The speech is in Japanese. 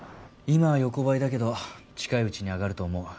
今は横ばいだけど近いうちに上がると思う。